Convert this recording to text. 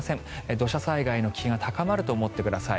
土砂災害の危険が高まると思ってください。